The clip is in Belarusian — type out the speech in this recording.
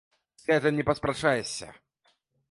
З гэтым не паспрачаешся!